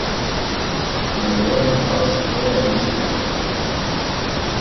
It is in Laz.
Majurani ndğas ora elist̆ip̌oru.